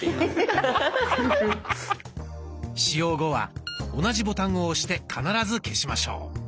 使用後は同じボタンを押して必ず消しましょう。